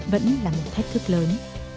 vẫn là một thách thức lớn